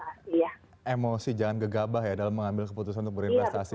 oke emosi jangan gegabah ya dalam mengambil keputusan untuk berinvestasi